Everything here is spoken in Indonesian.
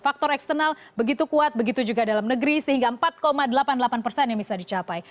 faktor eksternal begitu kuat begitu juga dalam negeri sehingga empat delapan puluh delapan persen yang bisa dicapai